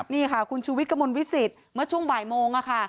นี่ค่ะคุณชูวิทย์กระมวลวิสิตเมื่อช่วงบ่ายโมงค่ะ